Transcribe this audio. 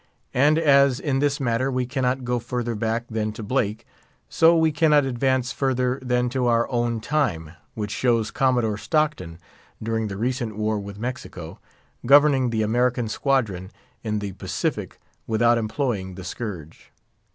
And as in this matter we cannot go further back than to Blake, so we cannot advance further than to our own time, which shows Commodore Stockton, during the recent war with Mexico, governing the American squadron in the Pacific without employing the scourge.